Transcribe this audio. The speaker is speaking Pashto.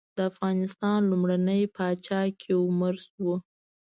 د افغانستان لومړنی پاچا کيومرث وه.